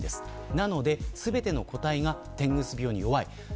なので、全ての個体がてんぐ巣病に弱い。